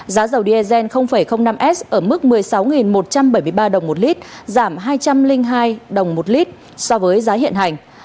giá dầu diesel năm s ở mức một mươi sáu một trăm bảy mươi ba đồng một lít giảm hai trăm linh hai đồng một lít so với giá hiện hành